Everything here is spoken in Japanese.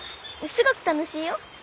すごく楽しいよ。